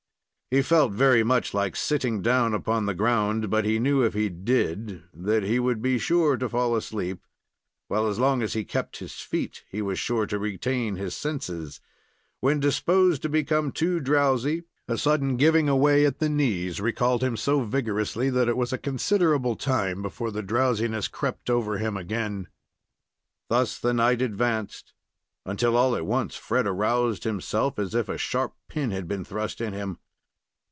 He felt very much like sitting down upon the ground, but he knew if he did that he would be sure to fall asleep, while, as long as he kept his feet, he was sure to retain his senses. When disposed to become too drowsy, a sudden giving away at the knees recalled him so vigorously, that it was a considerable time before the drowsiness crept over him again. Thus the night advanced, until all at once, Fred aroused himself as if a sharp pin had been thrust in him.